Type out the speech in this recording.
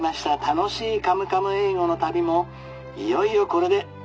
楽しい『カムカム英語』の旅もいよいよこれでお別れです。